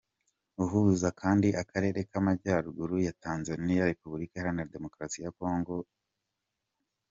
Uhuza kandi Akarere k’Amajyaruguru ya Tanzania, Repubulika Iharanira Demokarasi ya Congo na.